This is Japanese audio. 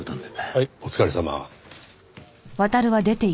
はいお疲れさま。